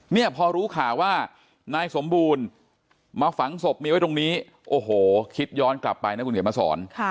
เนี่ยพอรู้ข่าวว่านายสมบูรณ์มาฝังศพเมียไว้ตรงนี้โอ้โหคิดย้อนกลับไปนะคุณเขียนมาสอน